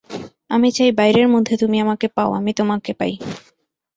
আমি চাই বাইরের মধ্যে তুমি আমাকে পাও, আমি তোমাকে পাই।